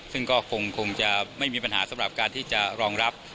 ซึ่งก็คงจะไม่มีปัญหาสำหรับการที่จะรองรับ